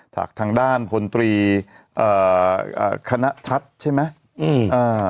ถากทางด้านพนตรีคณะทัศน์ใช่ไหมอืม